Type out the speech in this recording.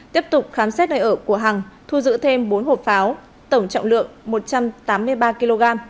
tiếp tục khám xét nơi ở của hằng thu giữ thêm bốn hộp pháo tổng trọng lượng một trăm tám mươi ba kg